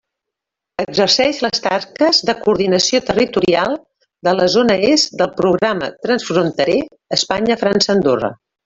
Exerceix les tasques de coordinació territorial de la zona est del Programa transfronterer Espanya-França-Andorra.